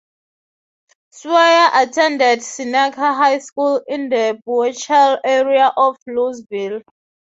Sawyer attended Seneca High School in the Buechel area of Louisville.